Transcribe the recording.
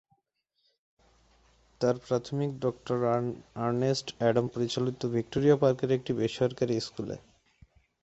তার প্রাথমিক শিক্ষা ডক্টর আর্নেস্ট অ্যাডাম পরিচালিত ভিক্টোরিয়া পার্কের একটি বেসরকারি স্কুলে।